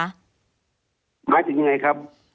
หมายถึงอย่างไรครับ